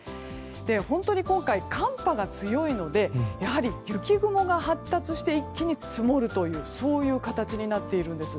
本当に今回、寒波が強いのでやはり雪雲が発達して一気に積もるという形になっているんです。